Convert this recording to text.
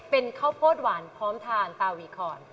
เป็นข้าวโพดหวานพร้อมทานตาวีคอน